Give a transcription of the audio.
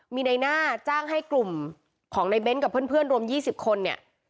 มีในหน้าจ้างให้กลุ่มของในเบ้นกับเพื่อนรวม๒๐คนเนี่ย